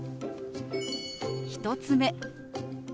１つ目。